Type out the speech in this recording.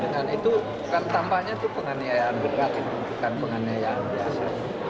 dan itu kan tambahnya itu penganiayaan berat bukan penganiayaan biasa